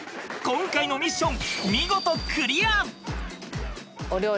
今回のミッション見事クリア！